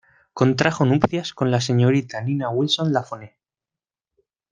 Contrajo nupcias con la señorita Nina Wilson Lafone.